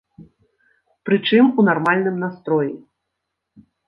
Прычым у нармальным настроі.